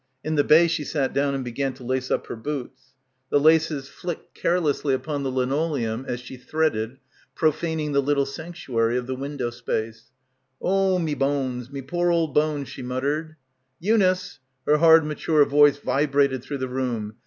In the bay she sat down and be gan to lace up her boots. The laces flicked — 118 — BACKWATER carelessly upon the linoleum as she threaded, pro faning the little sanctuary of the window space. "Oh me bones, me poor old bones," she muttered. "Eunice \" her hard mature voice vibrated through the room.